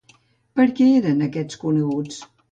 Per què eren aquests coneguts?